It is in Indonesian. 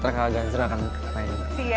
nanti kakak ganser akan main